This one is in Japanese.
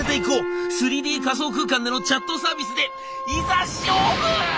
３Ｄ仮想空間でのチャットサービスでいざ勝負！」。